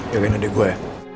biarin adik gue ya